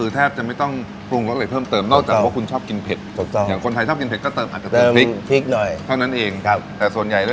ถ้าจะไม่ต้องพรุงหล่ออะไรเพิ่มเติม